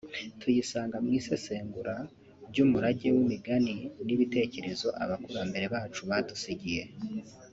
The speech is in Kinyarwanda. tuyisanga mw’isesengura ry’umurage w’imigani n’ibitekerezo Abakurambere bacu badusigiye